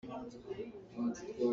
Phangphang an puah.